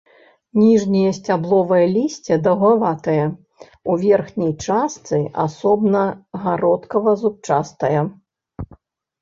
Ніжняе сцябловае лісце даўгаватае, у верхняй частцы асобна гародкава-зубчастае.